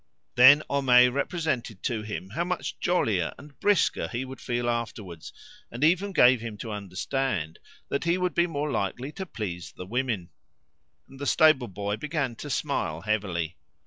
Then Homais represented to him how much jollier and brisker he would feel afterwards, and even gave him to understand that he would be more likely to please the women; and the stable boy began to smile heavily.